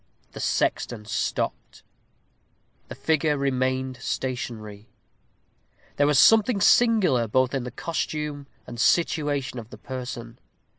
The sexton stopped. The figure remained stationary. There was something singular both in the costume and situation of the person.